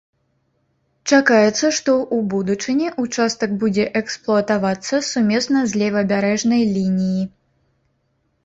Чакаецца, што ў будучыні ўчастак будзе эксплуатавацца сумесна з левабярэжнай лініі.